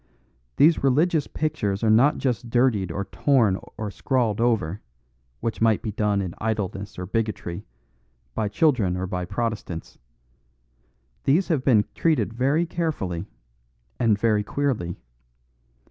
These religious pictures are not just dirtied or torn or scrawled over, which might be done in idleness or bigotry, by children or by Protestants. These have been treated very carefully and very queerly.